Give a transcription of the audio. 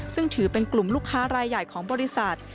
ซึ่งถือเป็นกลุ่มลูกค้ารายใหญ่ของบริษัท